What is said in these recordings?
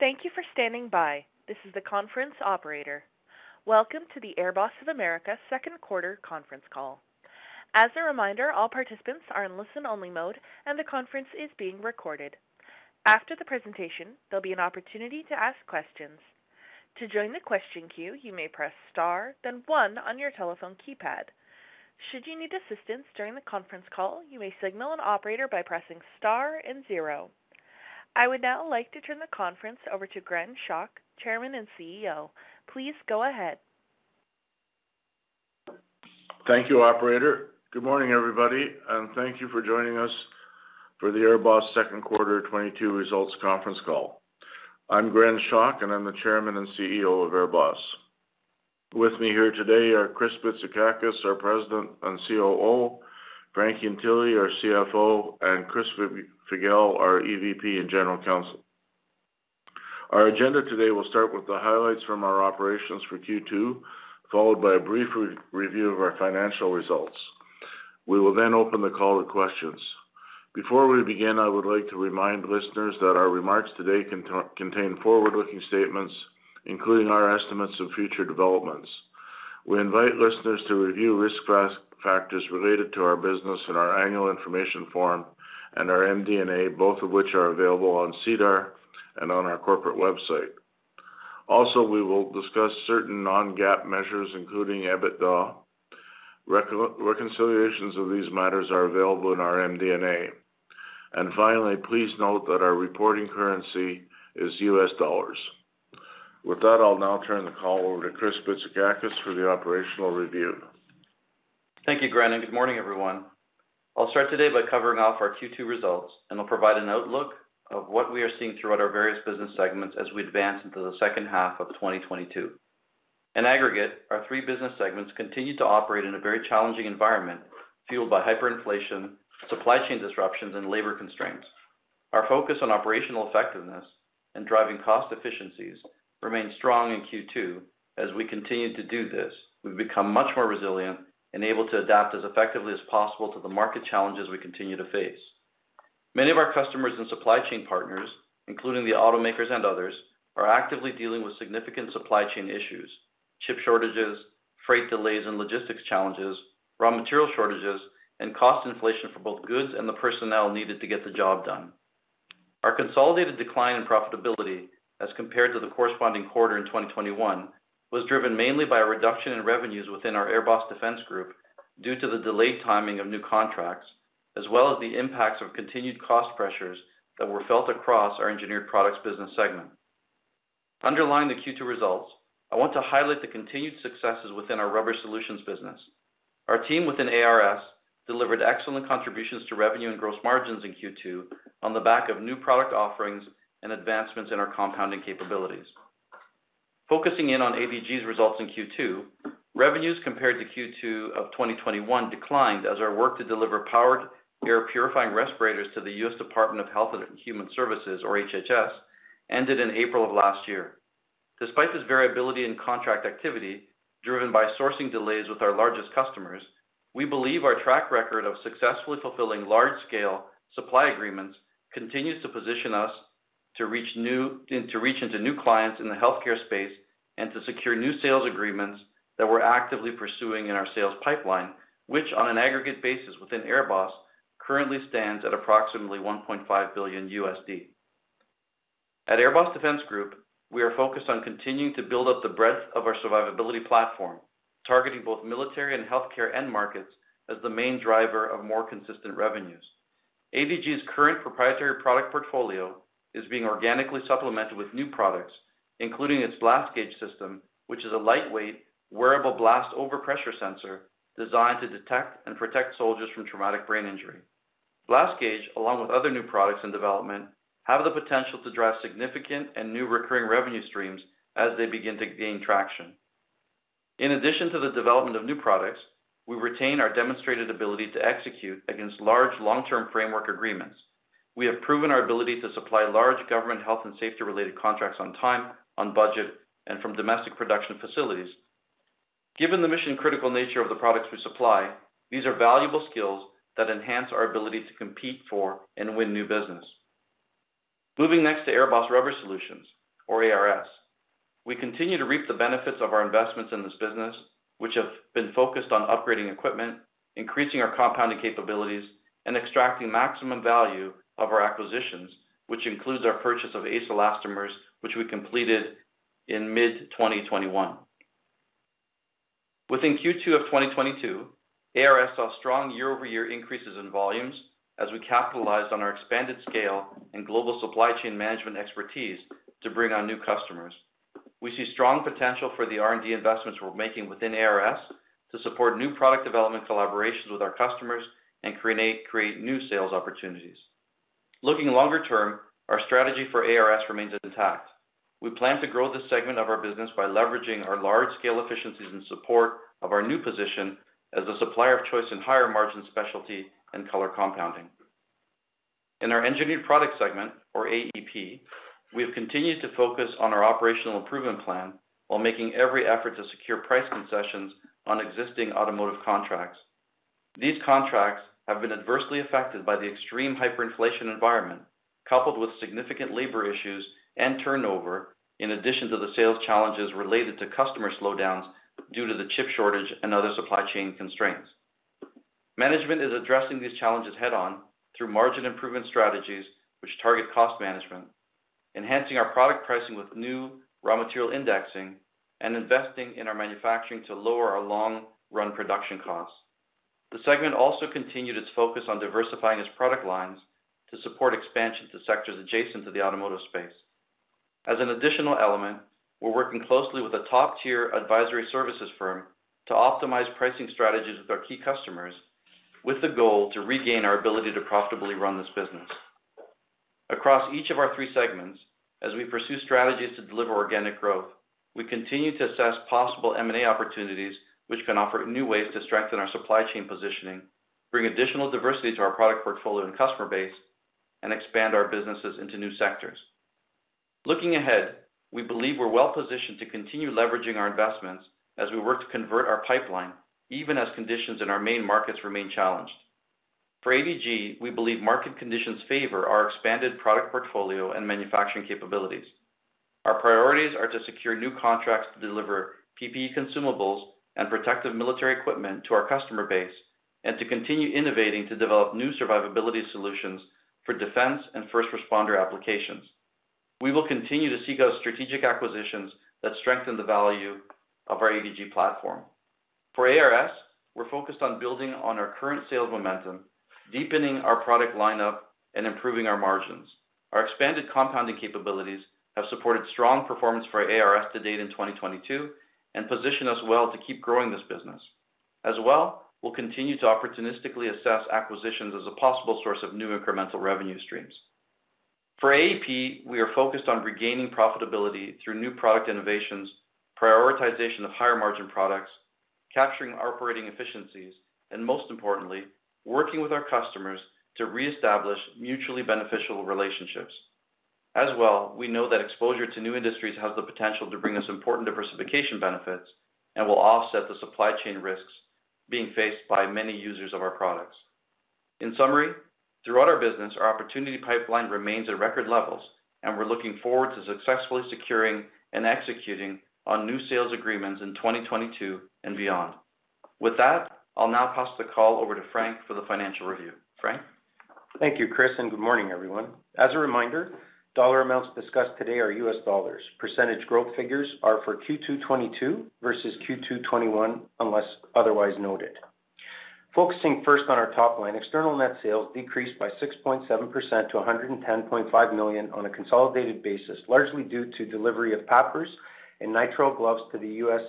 Thank you for standing by. This is the conference operator. Welcome to the AirBoss of America second quarter conference call. As a reminder, all participants are in listen-only mode and the conference is being recorded. After the presentation, there'll be an opportunity to ask questions. To join the question queue, you may press star, then one on your telephone keypad. Should you need assistance during the conference call, you may signal an operator by pressing star and zero. I would now like to turn the conference over to Gren Schoch, Chairman and CEO. Please go ahead. Thank you, operator. Good morning, everybody, and thank you for joining us for the AirBoss second quarter 2022 results conference call. I'm Gren Schoch, and I'm the Chairman and CEO of AirBoss. With me here today are Chris Bitsakakis, our President and COO, Frank Ientile, our CFO, and Chris Figel, our EVP and General Counsel. Our agenda today will start with the highlights from our operations for Q2, followed by a brief review of our financial results. We will then open the call to questions. Before we begin, I would like to remind listeners that our remarks today contain forward-looking statements, including our estimates of future developments. We invite listeners to review risk factors related to our business in our Annual Information Form and our MD&A, both of which are available on SEDAR and on our corporate website. Also, we will discuss certain non-GAAP measures, including EBITDA. Reconciliations of these matters are available in our MD&A. Finally, please note that our reporting currency is U.S. dollars. With that, I'll now turn the call over to Chris Bitsakakis for the operational review. Thank you, Gren, and good morning, everyone. I'll start today by covering off our Q2 results, and I'll provide an outlook of what we are seeing throughout our various business segments as we advance into the second half of 2022. In aggregate, our three business segments continue to operate in a very challenging environment fueled by hyperinflation, supply chain disruptions, and labor constraints. Our focus on operational effectiveness and driving cost efficiencies remained strong in Q2 as we continued to do this. We've become much more resilient and able to adapt as effectively as possible to the market challenges we continue to face. Many of our customers and supply chain partners, including the automakers and others, are actively dealing with significant supply chain issues, chip shortages, freight delays and logistics challenges, raw material shortages, and cost inflation for both goods and the personnel needed to get the job done. Our consolidated decline in profitability as compared to the corresponding quarter in 2021 was driven mainly by a reduction in revenues within our AirBoss Defense Group due to the delayed timing of new contracts, as well as the impacts of continued cost pressures that were felt across our AirBoss Engineered Products business segment. Underlying the Q2 results, I want to highlight the continued successes within our AirBoss Rubber Solutions business. Our team within ARS delivered excellent contributions to revenue and gross margins in Q2 on the back of new product offerings and advancements in our compounding capabilities. Focusing in on ABG's results in Q2, revenues compared to Q2 of 2021 declined as our work to deliver Powered Air Purifying Respirators to the U.S. Department of Health and Human Services, or HHS, ended in April of last year. Despite this variability in contract activity driven by sourcing delays with our largest customers, we believe our track record of successfully fulfilling large-scale supply agreements continues to position us to reach into new clients in the healthcare space and to secure new sales agreements that we're actively pursuing in our sales pipeline, which on an aggregate basis within AirBoss currently stands at approximately $1.5 billion. At AirBoss Defense Group, we are focused on continuing to build up the breadth of our survivability platform, targeting both military and healthcare end markets as the main driver of more consistent revenues. ABG's current proprietary product portfolio is being organically supplemented with new products, including its Blast Gauge system, which is a lightweight, wearable blast overpressure sensor designed to detect and protect soldiers from traumatic brain injury. Blast Gauge, along with other new products in development, have the potential to drive significant and new recurring revenue streams as they begin to gain traction. In addition to the development of new products, we retain our demonstrated ability to execute against large long-term framework agreements. We have proven our ability to supply large government health and safety-related contracts on time, on budget, and from domestic production facilities. Given the mission-critical nature of the products we supply, these are valuable skills that enhance our ability to compete for and win new business. Moving next to AirBoss Rubber Solutions, or ARS. We continue to reap the benefits of our investments in this business, which have been focused on upgrading equipment, increasing our compounding capabilities, and extracting maximum value of our acquisitions, which includes our purchase of ACE Elastomer, which we completed in mid-2021. Within Q2 of 2022, ARS saw strong YoY increases in volumes as we capitalized on our expanded scale and global supply chain management expertise to bring on new customers. We see strong potential for the R&D investments we're making within ARS to support new product development collaborations with our customers and create new sales opportunities. Looking longer term, our strategy for ARS remains intact. We plan to grow this segment of our business by leveraging our large-scale efficiencies in support of our new position as a supplier of choice in higher-margin specialty and color compounding. In our Engineered Products segment, or AEP, we have continued to focus on our operational improvement plan while making every effort to secure price concessions on existing automotive contracts. These contracts have been adversely affected by the extreme hyperinflation environment, coupled with significant labor issues and turnover, in addition to the sales challenges related to customer slowdowns due to the chip shortage and other supply chain constraints. Management is addressing these challenges head-on through margin improvement strategies which target cost management, enhancing our product pricing with new raw material indexing, and investing in our manufacturing to lower our long run production costs. The segment also continued its focus on diversifying its product lines to support expansion to sectors adjacent to the automotive space. As an additional element, we're working closely with a top-tier advisory services firm to optimize pricing strategies with our key customers with the goal to regain our ability to profitably run this business. Across each of our three segments, as we pursue strategies to deliver organic growth, we continue to assess possible M&A opportunities which can offer new ways to strengthen our supply chain positioning, bring additional diversity to our product portfolio and customer base, and expand our businesses into new sectors. Looking ahead, we believe we're well positioned to continue leveraging our investments as we work to convert our pipeline, even as conditions in our main markets remain challenged. For ADG, we believe market conditions favor our expanded product portfolio and manufacturing capabilities. Our priorities are to secure new contracts to deliver PPE consumables and protective military equipment to our customer base and to continue innovating to develop new survivability solutions for defense and first responder applications. We will continue to seek out strategic acquisitions that strengthen the value of our ADG platform. For ARS, we're focused on building on our current sales momentum, deepening our product lineup, and improving our margins. Our expanded compounding capabilities have supported strong performance for ARS to date in 2022 and position us well to keep growing this business. As well, we'll continue to opportunistically assess acquisitions as a possible source of new incremental revenue streams. For AEP, we are focused on regaining profitability through new product innovations, prioritization of higher margin products, capturing operating efficiencies, and most importantly, working with our customers to reestablish mutually beneficial relationships. As well, we know that exposure to new industries has the potential to bring us important diversification benefits and will offset the supply chain risks being faced by many users of our products. In summary, throughout our business, our opportunity pipeline remains at record levels, and we're looking forward to successfully securing and executing on new sales agreements in 2022 and beyond. With that, I'll now pass the call over to Frank for the financial review. Frank? Thank you, Chris, and good morning, everyone. As a reminder, dollar amounts discussed today are U.S. dollars. Percentage growth figures are for Q2 2022 versus Q2 2021, unless otherwise noted. Focusing first on our top line, external net sales decreased by 6.7% to $110.5 million on a consolidated basis, largely due to delivery of PAPRs and nitrile gloves to the U.S.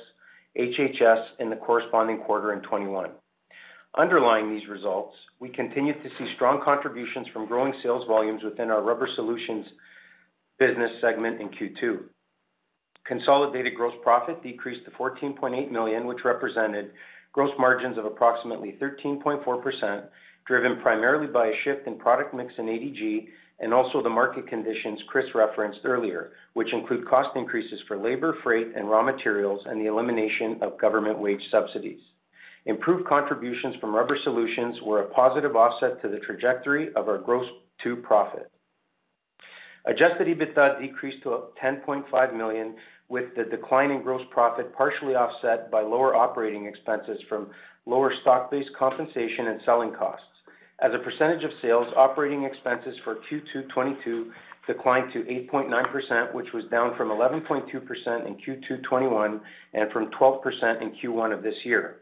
HHS in the corresponding quarter in 2021. Underlying these results, we continued to see strong contributions from growing sales volumes within our Rubber Solutions business segment in Q2. Consolidated gross profit decreased to $14.8 million, which represented gross margins of approximately 13.4%, driven primarily by a shift in product mix in ADG and also the market conditions Chris referenced earlier, which include cost increases for labor, freight, and raw materials, and the elimination of government wage subsidies. Improved contributions from Rubber Solutions were a positive offset to the trajectory of our gross profit. Adjusted EBITDA decreased to $10.5 million, with the decline in gross profit partially offset by lower operating expenses from lower stock-based compensation and selling costs. As a percentage of sales, operating expenses for Q2 2022 declined to 8.9%, which was down from 11.2% in Q2 2021 and from 12% in Q1 of this year.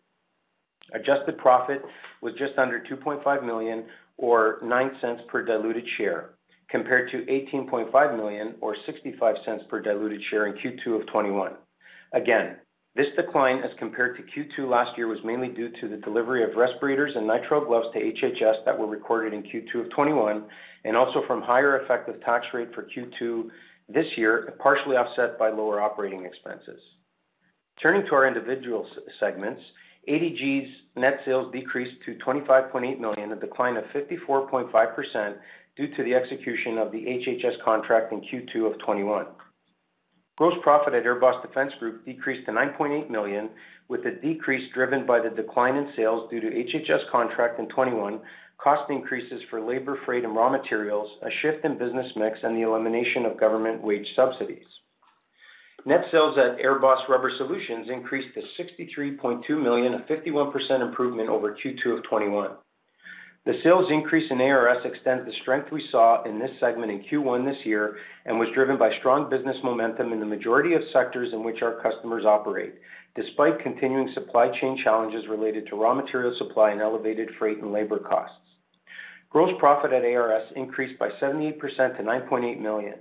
Adjusted profit was just under $2.5 million or $0.09 per diluted share, compared to $18.5 million or $0.65 per diluted share in Q2 of 2021. This decline as compared to Q2 last year was mainly due to the delivery of respirators and nitrile gloves to HHS that were recorded in Q2 of 2021 and also from higher effective tax rate for Q2 this year, partially offset by lower operating expenses. Turning to our individual segments, ADG's net sales decreased to $25.8 million, a decline of 54.5% due to the execution of the HHS contract in Q2 of 2021. Gross profit at AirBoss Defense Group decreased to $9.8 million, with the decrease driven by the decline in sales due to HHS contract in 2021, cost increases for labor, freight, and raw materials, a shift in business mix, and the elimination of government wage subsidies. Net sales at AirBoss Rubber Solutions increased to $63.2 million, a 51% improvement over Q2 of 2021. The sales increase in ARS extends the strength we saw in this segment in Q1 this year and was driven by strong business momentum in the majority of sectors in which our customers operate, despite continuing supply chain challenges related to raw material supply and elevated freight and labor costs. Gross profit at ARS increased by 78% to $9.8 million.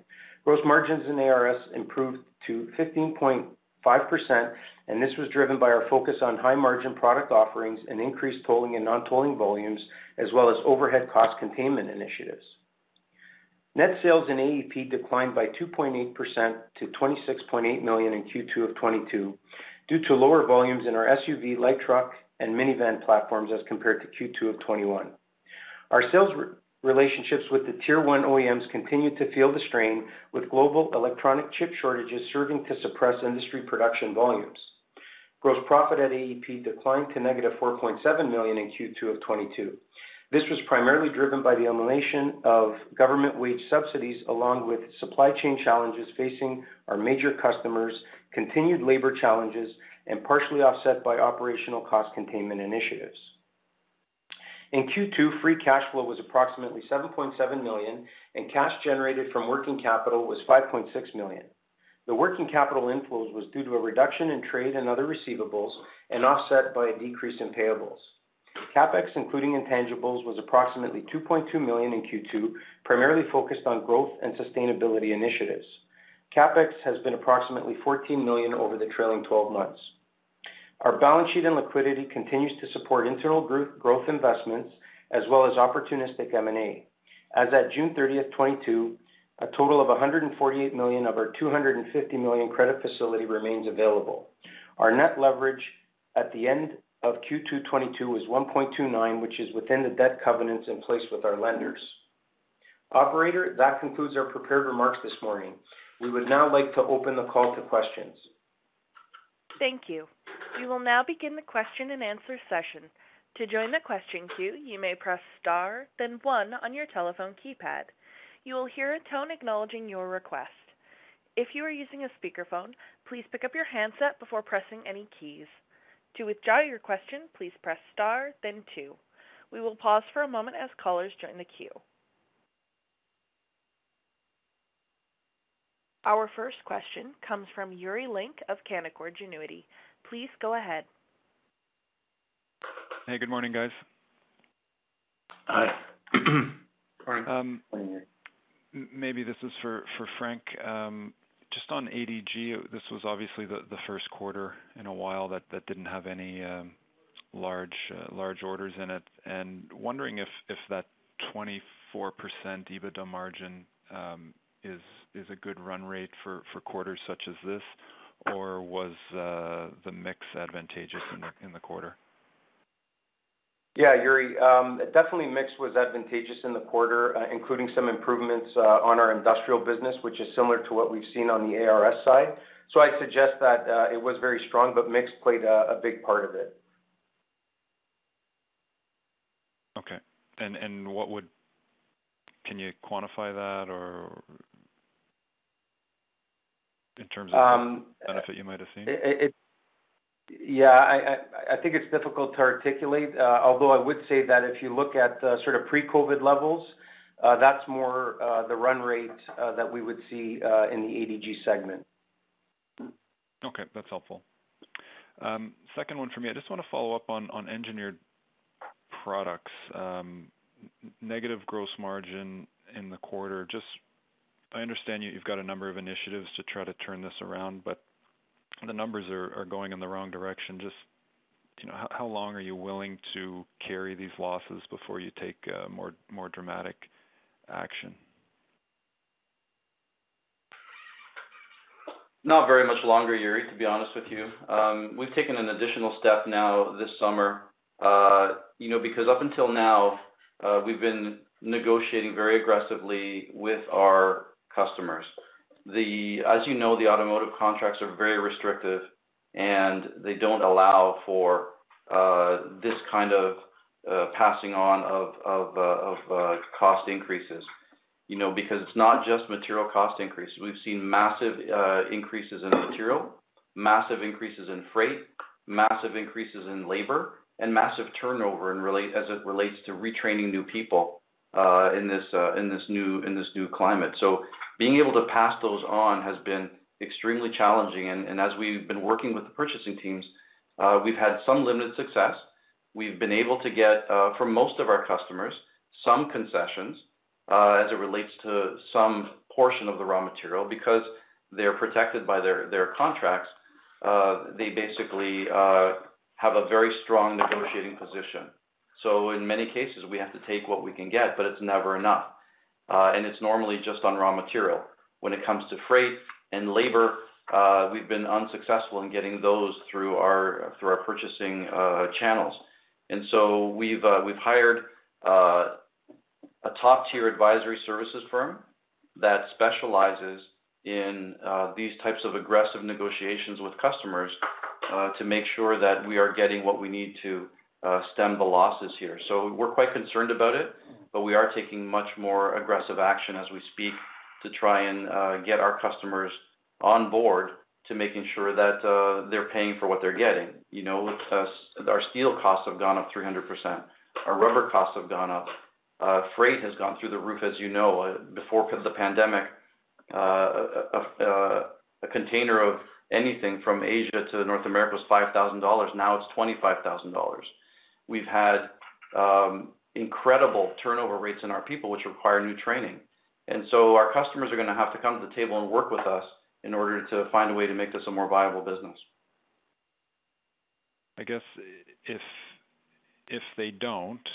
Gross margins in ARS improved to 15.5%, and this was driven by our focus on high-margin product offerings and increased tolling and non-tolling volumes, as well as overhead cost containment initiatives. Net sales in AEP declined by 2.8% to $26.8 million in Q2 of 2022 due to lower volumes in our SUV, light truck, and minivan platforms as compared to Q2 of 2021. Our sales relationships with the Tier 1 OEMs continued to feel the strain, with global electronic chip shortages serving to suppress industry production volumes. Gross profit at AEP declined to -$4.7 million in Q2 of 2022. This was primarily driven by the elimination of government wage subsidies, along with supply chain challenges facing our major customers, continued labor challenges, and partially offset by operational cost containment initiatives. In Q2, free cash flow was approximately $7.7 million, and cash generated from working capital was $5.6 million. The working capital inflows was due to a reduction in trade and other receivables and offset by a decrease in payables. CapEx, including intangibles, was approximately $2.2 million in Q2, primarily focused on growth and sustainability initiatives. CapEx has been approximately $14 million over the trailing twelve months. Our balance sheet and liquidity continues to support internal growth investments as well as opportunistic M&A. As at June 30th, 2022, a total of $148 million of our $250 million credit facility remains available. Our net leverage at the end of Q2 2022 is 1.29, which is within the debt covenants in place with our lenders. Operator, that concludes our prepared remarks this morning. We would now like to open the call to questions. Thank you. We will now begin the question and answer session. To join the question queue, you may press star, then one on your telephone keypad. You will hear a tone acknowledging your request. If you are using a speakerphone, please pick up your handset before pressing any keys. To withdraw your question, please press star, then two. We will pause for a moment as callers join the queue. Our first question comes from Yuri Lynk of Canaccord Genuity. Please go ahead. Hey, good morning, guys. Hi. Maybe this is for Frank. Just on ADG, this was obviously the first quarter in a while that didn't have any large orders in it. Wondering if that 24% EBITDA margin is a good run rate for quarters such as this, or was the mix advantageous in the quarter? Yeah, Yuri. Definitely mix was advantageous in the quarter, including some improvements on our industrial business, which is similar to what we've seen on the ARS side. I'd suggest that it was very strong, but mix played a big part of it. Okay. Can you quantify that or in terms of? Um. The benefit you might have seen? Yeah, I think it's difficult to articulate. Although I would say that if you look at sort of pre-COVID levels, that's more the run rate that we would see in the ADG segment. Okay, that's helpful. Second one for me. I just wanna follow up on engineered products. Negative gross margin in the quarter. I understand you've got a number of initiatives to try to turn this around, but the numbers are going in the wrong direction. You know, how long are you willing to carry these losses before you take more dramatic action? Not very much longer, Yuri, to be honest with you. We've taken an additional step now this summer, you know, because up until now, we've been negotiating very aggressively with our customers. As you know, the automotive contracts are very restrictive, and they don't allow for this kind of passing on of cost increases. You know, because it's not just material cost increases. We've seen massive increases in material, massive increases in freight, massive increases in labor, and massive turnover as it relates to retraining new people in this new climate. So being able to pass those on has been extremely challenging. As we've been working with the purchasing teams, we've had some limited success. We've been able to get from most of our customers some concessions as it relates to some portion of the raw material. Because they're protected by their contracts, they basically have a very strong negotiating position. In many cases, we have to take what we can get, but it's never enough. It's normally just on raw material. When it comes to freight and labor, we've been unsuccessful in getting those through our purchasing channels. We've hired a top-tier advisory services firm that specializes in these types of aggressive negotiations with customers to make sure that we are getting what we need to stem the losses here. We're quite concerned about it, but we are taking much more aggressive action as we speak to try and get our customers on board to making sure that they're paying for what they're getting. You know, our steel costs have gone up 300%. Our rubber costs have gone up. Freight has gone through the roof, as you know. Before the pandemic, a container of anything from Asia to North America was $5,000. Now it's $25,000. We've had incredible turnover rates in our people, which require new training. Our customers are gonna have to come to the table and work with us in order to find a way to make this a more viable business. I guess if they don't,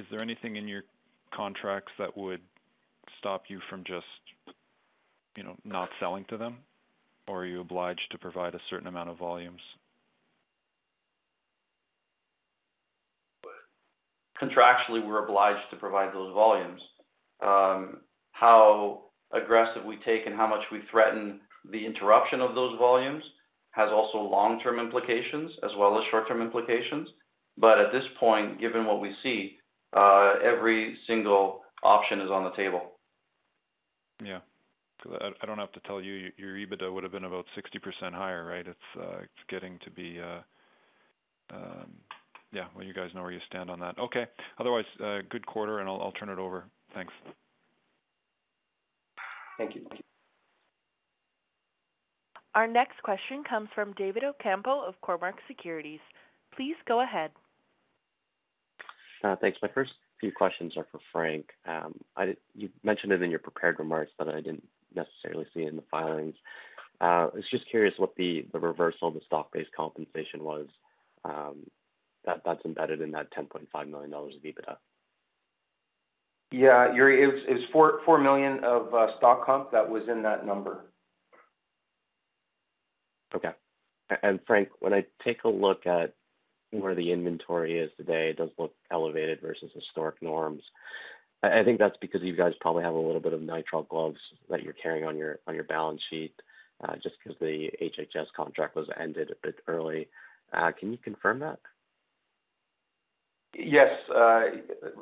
is there anything in your contracts that would stop you from just, you know, not selling to them, or are you obliged to provide a certain amount of volumes? Contractually, we're obliged to provide those volumes. How aggressive we take and how much we threaten the interruption of those volumes has also long-term implications as well as short-term implications. At this point, given what we see, every single option is on the table. Yeah. 'Cause I don't have to tell you, your EBITDA would've been about 60% higher, right? Yeah, well, you guys know where you stand on that. Okay. Otherwise, good quarter, and I'll turn it over. Thanks. Thank you. Our next question comes from David Ocampo of Cormark Securities. Please go ahead. Thanks. My first few questions are for Frank. You mentioned it in your prepared remarks, but I didn't necessarily see it in the filings. I was just curious what the reversal of the stock-based compensation was that's embedded in that $10.5 million of EBITDA. Yeah, Yuri, it was $4 million of stock comp that was in that number. Okay. Frank, when I take a look at where the inventory is today, it does look elevated versus historic norms. I think that's because you guys probably have a little bit of nitrile gloves that you're carrying on your balance sheet, just 'cause the HHS contract was ended a bit early. Can you confirm that? Yes,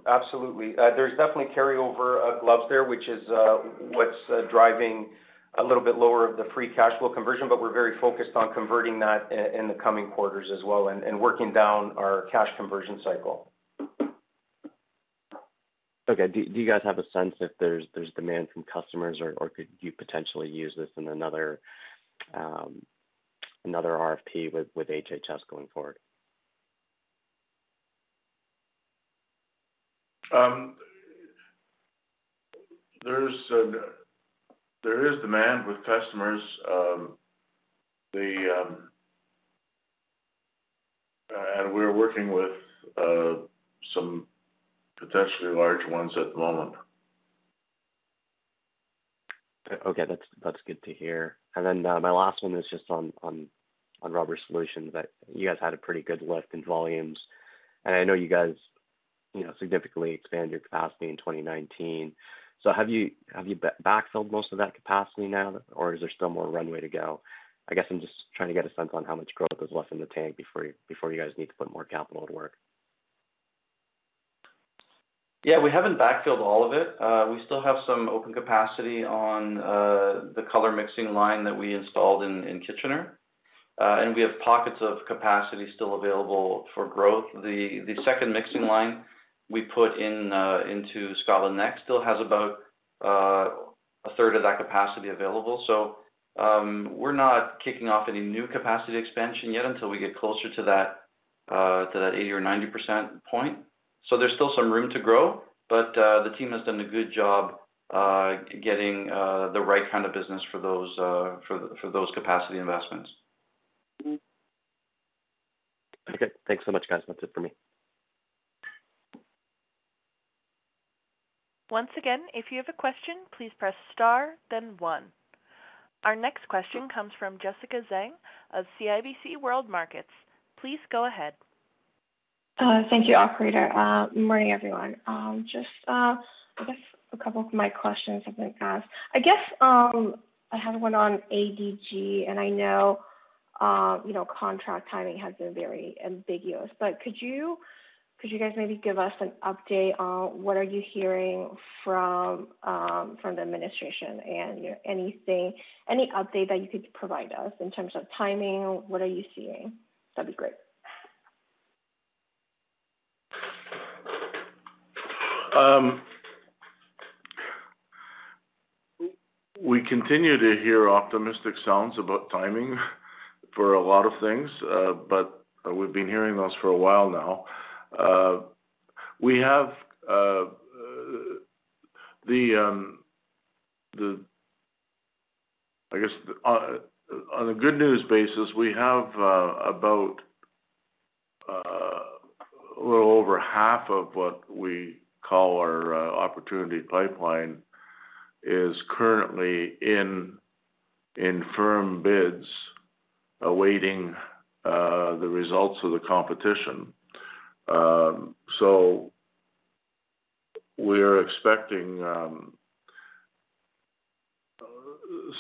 absolutely. There's definitely carryover of gloves there, which is what's driving a little bit lower of the free cash flow conversion, but we're very focused on converting that in the coming quarters as well and working down our cash conversion cycle. Okay. Do you guys have a sense if there's demand from customers or could you potentially use this in another RFP with HHS going forward? There is demand with customers. We're working with some potentially large ones at the moment. Okay, that's good to hear. My last one is just on Rubber Solutions. You guys had a pretty good lift in volumes, and I know you guys, you know, significantly expanded your capacity in 2019. Have you backfilled most of that capacity now, or is there still more runway to go? I guess I'm just trying to get a sense on how much growth is left in the tank before you guys need to put more capital to work. Yeah, we haven't backfilled all of it. We still have some open capacity on the color mixing line that we installed in Kitchener, and we have pockets of capacity still available for growth. The second mixing line we put in into Scotland Neck still has about a third of that capacity available. We're not kicking off any new capacity expansion yet until we get closer to that 80% or 90% point. There's still some room to grow, but the team has done a good job getting the right kind of business for those capacity investments. Okay. Thanks so much, guys. That's it for me. Once again, if you have a question, please press star then one. Our next question comes from Jessica Zhang of CIBC World Markets. Please go ahead. Thank you, operator. Good morning, everyone. Just, I guess a couple of my questions have been asked. I guess, I have one on ADG, and I know, you know, contract timing has been very ambiguous. Could you guys maybe give us an update on what are you hearing from the administration and anything. Any update that you could provide us in terms of timing? What are you seeing? That'd be great. We continue to hear optimistic sounds about timing for a lot of things, but we've been hearing those for a while now. We have the. I guess, on a good news basis, we have about a little over half of what we call our opportunity pipeline is currently in firm bids awaiting the results of the competition. We're expecting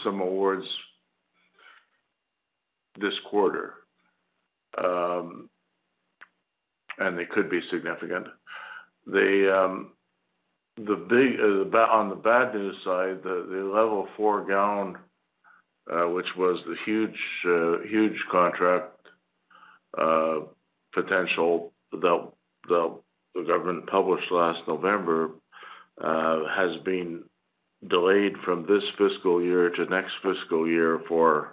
some awards this quarter, and they could be significant. On the bad news side, the Level 4 gown, which was the huge contract potential that the government published last November, has been delayed from this fiscal year to next fiscal year for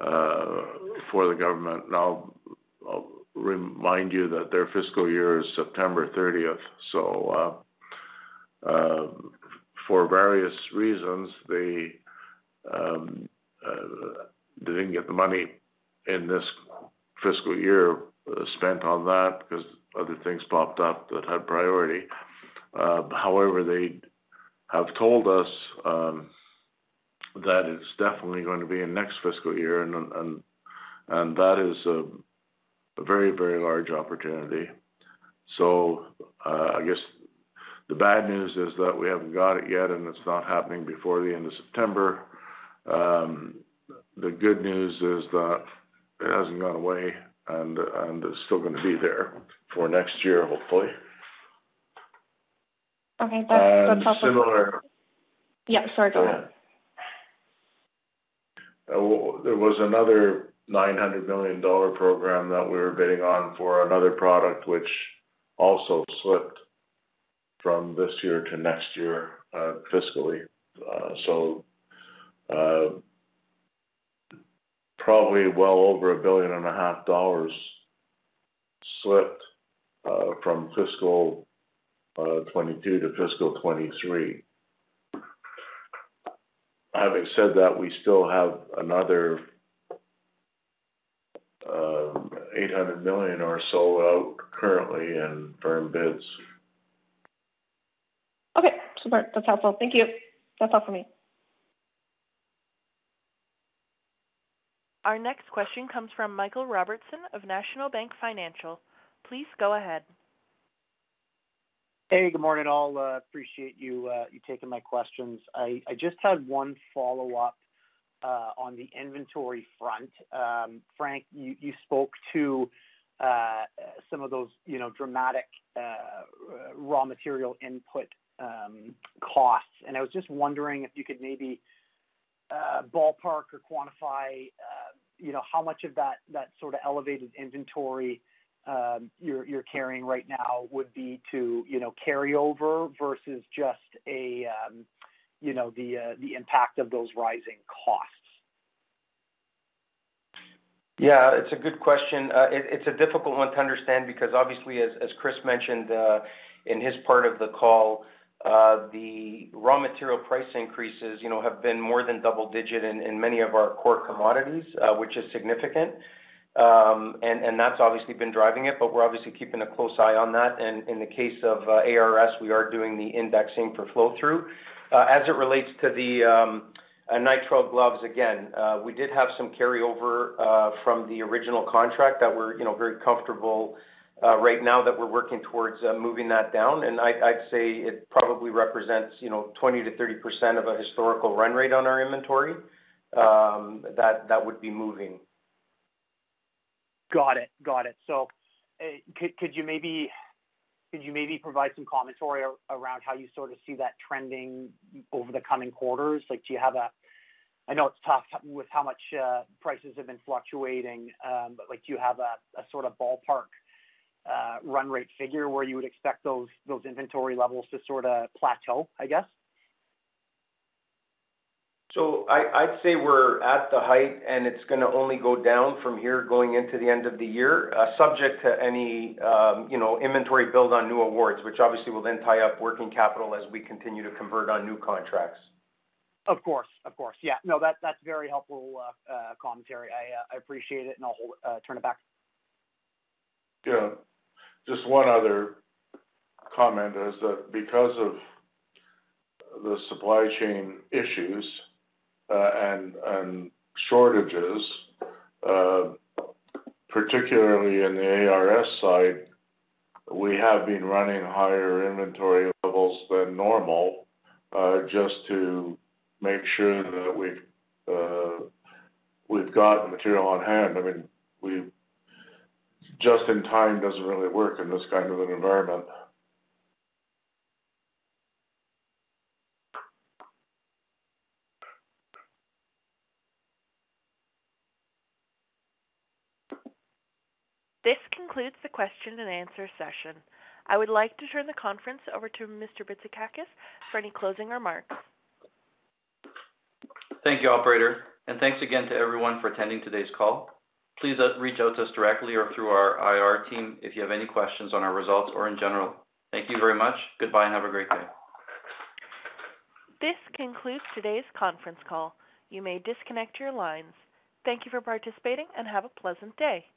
the government. I'll remind you that their fiscal year is September 30th. For various reasons, they didn't get the money in this. Fiscal year spent on that because other things popped up that had priority. However, they have told us that it's definitely going to be in next fiscal year and that is a very, very large opportunity. I guess the bad news is that we haven't got it yet, and it's not happening before the end of September. The good news is that it hasn't gone away and it's still gonna be there for next year, hopefully. Okay. That's helpful. And similar- Yeah. Sorry, go ahead. There was another $900 million program that we were bidding on for another product which also slipped from this year to next year, fiscally. Probably well over $1.5 billion slipped from fiscal 2022 to fiscal 2023. Having said that, we still have another $800 million or so out currently in firm bids. Okay. Super. That's helpful. Thank you. That's all for me. Our next question comes from Michael Robertson of National Bank Financial. Please go ahead. Hey, good morning all. Appreciate you taking my questions. I just had one follow-up on the inventory front. Frank, you spoke to some of those, you know, dramatic raw material input costs. I was just wondering if you could maybe ballpark or quantify, you know, how much of that sort of elevated inventory you're carrying right now would be to, you know, carry over versus just a, you know, the impact of those rising costs. Yeah, it's a good question. It's a difficult one to understand because obviously as Chris mentioned in his part of the call, the raw material price increases, you know, have been more than double digit in many of our core commodities, which is significant. And that's obviously been driving it, but we're obviously keeping a close eye on that. In the case of ARS, we are doing the indexing for flow through. As it relates to the nitrile gloves, again, we did have some carryover from the original contract that we're, you know, very comfortable right now that we're working towards moving that down. I'd say it probably represents, you know, 20%-30% of a historical run rate on our inventory that would be moving. Got it. Could you maybe provide some commentary around how you sort of see that trending over the coming quarters? Like, do you have a... I know it's tough with how much prices have been fluctuating, but, like, do you have a sort of ballpark run rate figure where you would expect those inventory levels to sort of plateau, I guess? I'd say we're at the height, and it's gonna only go down from here going into the end of the year, subject to any, you know, inventory build on new awards, which obviously will then tie up working capital as we continue to convert on new contracts. Of course. Yeah. No, that's very helpful commentary. I appreciate it, and I'll turn it back. Yeah. Just one other comment is that because of the supply chain issues and shortages, particularly in the ARS side, we have been running higher inventory levels than normal, just to make sure that we've got material on hand. I mean, just in time doesn't really work in this kind of an environment. This concludes the question and answer session. I would like to turn the conference over to Mr. Bitsakakis for any closing remarks. Thank you, operator, and thanks again to everyone for attending today's call. Please, reach out to us directly or through our IR team if you have any questions on our results or in general. Thank you very much. Goodbye, and have a great day. This concludes today's conference call. You may disconnect your lines. Thank you for participating, and have a pleasant day.